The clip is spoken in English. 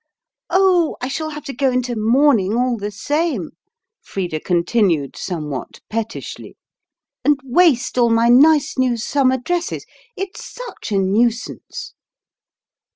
"Oh, I shall have to go into mourning all the same," Frida continued somewhat pettishly, "and waste all my nice new summer dresses. It's SUCH a nuisance!"